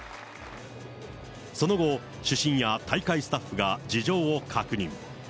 その後、主審や大会スタッフが事情を確認。